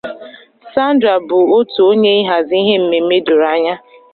Sandra bụ otu onye ihazi ihe mmeme doro anya.